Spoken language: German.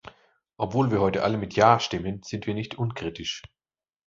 Obwohl wir heute alle mit "Ja" stimmen, sind wir nicht unkritisch.